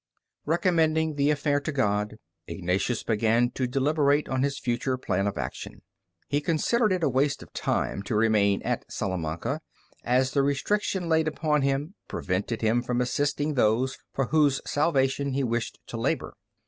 Recommending the affair to God, Ignatius began to deliberate on his future plan of action. He considered it a waste of time to remain at Salamanca, as the restriction laid upon him prevented him from assisting those for whose salvation he wished to labor.